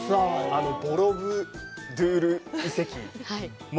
あのボロブドゥール遺跡も。